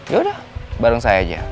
yaudah bareng saya aja